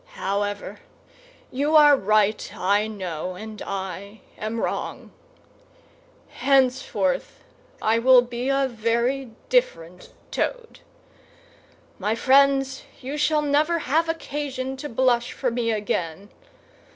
However, you are right, I know, and I am wrong. Hence forth I will be a very different Toad. My friends, you shall never have occasion to blush for me again.